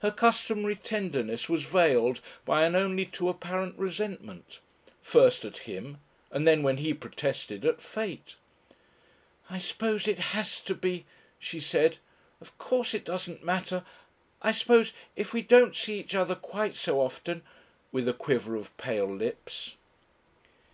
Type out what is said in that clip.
Her customary tenderness was veiled by an only too apparent resentment. First at him, and then when he protested, at Fate. "I suppose it has to be," she said. "Of course, it doesn't matter, I suppose, if we don't see each other quite so often," with a quiver of pale lips.